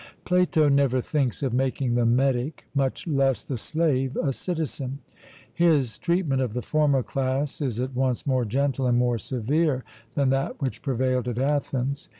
Plato never thinks of making the metic, much less the slave, a citizen. His treatment of the former class is at once more gentle and more severe than that which prevailed at Athens.